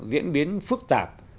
diễn biến phức tạp